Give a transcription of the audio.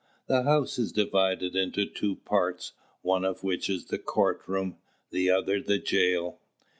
The house is divided into two parts: one of which is the court room; the other the jail.